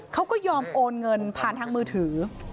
เขาก็ยอมโอนเงินผ่านทางมือถือ